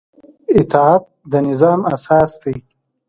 اطاعت د نظام اساس دی